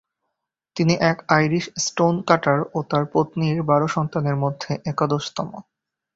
তিনি এক Irish stone cutter ও তার পত্নীর বারো সন্তানের মধ্যে একাদশতম।